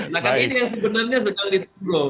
nah kan ini yang sebenarnya sudah ditunggu